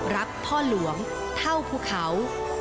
รักพ่อหลวงเท่าภูเขา